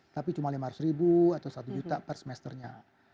tapi cuma lima ratus ribu atau satu juta per semesternya